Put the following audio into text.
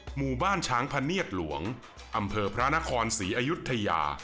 หมู่บ้านช้างพะเนียดหลวงอำเภอพระนครศรีอยุธยา